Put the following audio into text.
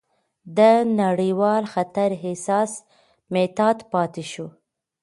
د نړیوال خطر احساس محتاط پاتې شو،